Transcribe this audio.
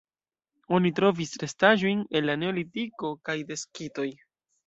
Oni trovis restaĵojn el la neolitiko kaj de skitoj.